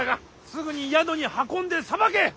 すぐに宿に運んでさばけ！